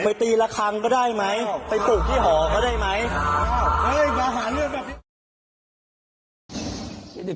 ไปตีละครั้งก็ได้ไหมไปปลูกที่หอก็ได้ไหมอ้าวเฮ้ยมาหาเรื่องแบบนี้